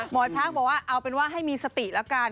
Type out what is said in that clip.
หมอช้างบอกว่าเอาเป็นว่าให้มีสติแล้วกัน